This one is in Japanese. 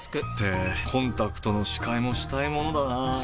ってコンタクトの視界もしたいものだなぁ。